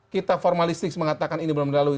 kita formalistik mengatakan ini belum melalui